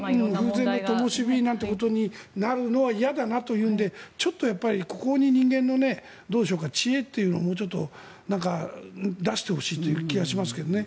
風前の灯火なんてことになるのは嫌だなというのでちょっとここに人間の知恵というのをもうちょっと出してほしい気がしますけどね。